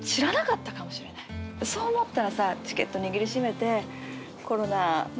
そう思ったらさ。